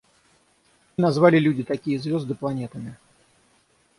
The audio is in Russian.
И назвали люди такие звезды планетами.